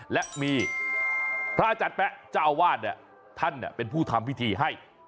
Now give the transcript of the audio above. และมีพระอาจารย์แป๊ะเจ้าอาวาสเนี่ยท่านเป็นผู้ทำพิธีให้